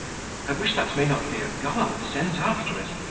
I wish that may not be a guard sent after us.